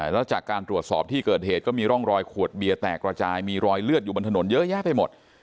แล้วจากการตรวจสอบที่เกิดเหตุก็มีร่องรอยขวดเบียร์แตกระจายมีรอยเลือดอยู่บนถนนเยอะแยะไปหมด